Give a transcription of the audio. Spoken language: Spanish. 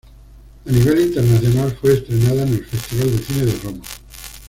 A nivel internacional fue estrenada en el Festival de Cine de Roma.